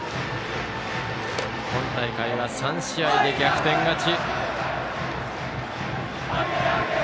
今大会は３試合で逆転勝ち。